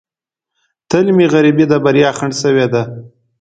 تل مې غریبۍ د بریا خنډ شوې ده.